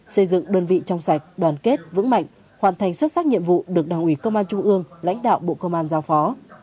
xây dựng đơn vị trong sạch đoàn kết vững mạnh hoàn thành xuất sắc nhiệm vụ được đảng ủy công an trung ương lãnh đạo bộ công an giao phó